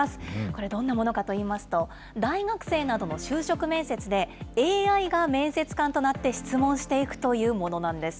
これ、どんなものかといいますと、大学生などの就職面接で、ＡＩが面接官となって質問していくというものなんです。